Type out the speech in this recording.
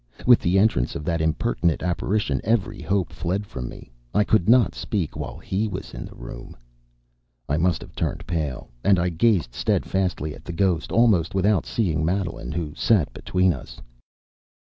With the entrance of that impertinent apparition, every hope fled from me. I could not speak while he was in the room. I must have turned pale; and I gazed steadfastly at the ghost, almost without seeing Madeline, who sat between us.